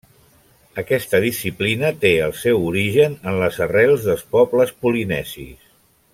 Aquesta disciplina té el seu origen en les arrels dels pobles polinesis.